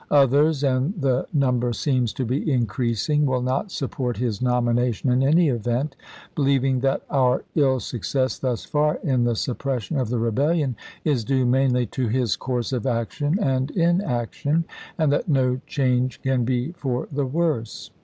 Others, and the num ber seems to be increasing, will not support his nomination in any event, believing that our ill success thus far in the suppression of the rebellion is due mainly to his course of action and inaction, and that no change can be for the worse.